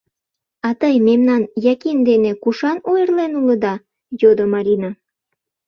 — А тый мемнан Яким дене кушан ойырлен улыда? — йодо Марина.